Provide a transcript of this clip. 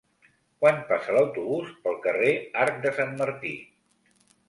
Quan passa l'autobús pel carrer Arc de Sant Martí?